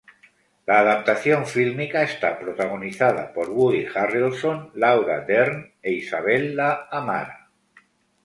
La adaptación fílmica está protagonizada por Woody Harrelson, Laura Dern e Isabella Amara.